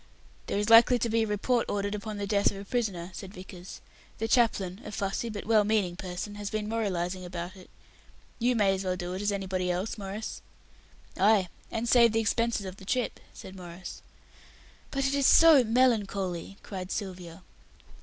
"There is likely to be a report ordered upon the death of a prisoner," said Vickers. "The chaplain, a fussy but well meaning person, has been memorializing about it. You may as well do it as anybody else, Maurice." "Ay. And save the expenses of the trip," said Maurice. "But it is so melancholy," cried Sylvia.